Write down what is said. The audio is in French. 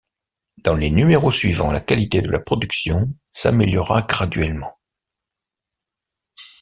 Dans les numéros suivants, la qualité de la production s'améliora graduellement.